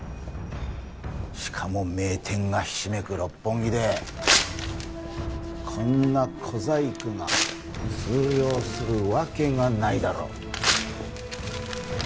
しかも名店がひしめく六本木でこんな小細工が通用するわけがないだろ！